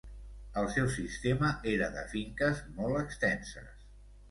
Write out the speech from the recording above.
El seu sistema era de finques molt extenses.